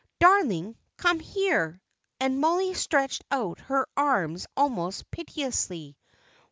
"Darling, come here," and Mollie stretched out her arms almost piteously.